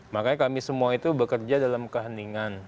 makanya kami semua itu bekerja dalam keheningan